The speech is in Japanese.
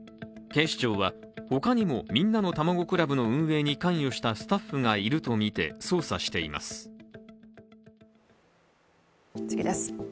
警視庁は他にもみんなのたまご倶楽部の運営に関与したスタッフがいるとみて捜査しています。